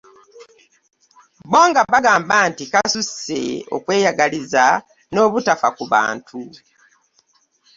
Bo nga bagamba nti kasusse okweyagaliza n'obutafa ku bantu.